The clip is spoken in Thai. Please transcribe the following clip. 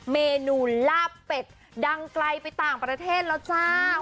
เมนูลาบเป็ดดังไกลไปต่างประเทศแล้วจ้า